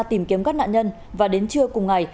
tìm kiếm các nạn nhân và đến trưa cùng ngày